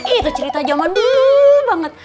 itu cerita zaman dulu banget